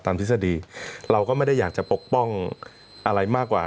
ทฤษฎีเราก็ไม่ได้อยากจะปกป้องอะไรมากกว่า